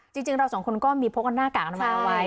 จริงเราสองคนก็มีโพสกับหน้ากากมาเอาไว้